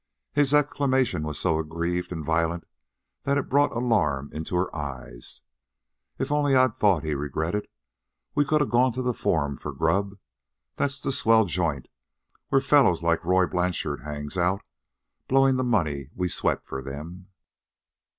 His exclamation was so aggrieved and violent that it brought alarm into her eyes. "If I'd only thought," he regretted, "we could a gone to the Forum for grub. That's the swell joint where fellows like Roy Blanchard hangs out, blowin' the money we sweat for them."